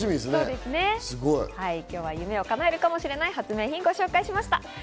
すごい、今日は夢をかなえるかも知れない発明をご紹介しました。